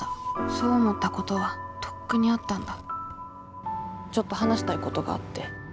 そう思ったことはとっくにあったんだちょっと話したいことがあって。